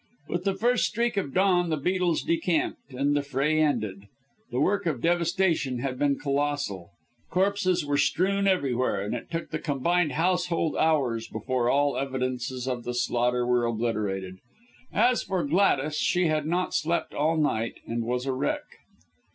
With the first streak of dawn the beetles decamped, and the fray ended. The work of devastation had been colossal. Corpses were strewn everywhere and it took the combined household hours, before all evidences of the slaughter were obliterated. As for Gladys, she had not slept all night and was a wreck.